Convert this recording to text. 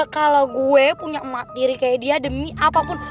kalo gue punya emak diri kayak dia demi apapun